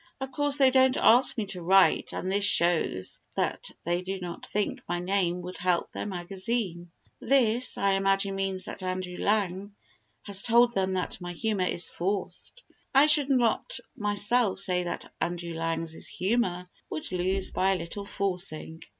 Of course they don't ask me to write and this shows that they do not think my name would help their magazine. This, I imagine, means that Andrew Lang has told them that my humour is forced. I should not myself say that Andrew Lang's humour would lose by a little forcing.